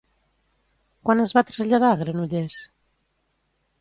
Quan es va traslladar a Granollers?